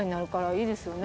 いいですよね